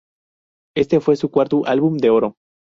Este fue su cuarto álbum de oro.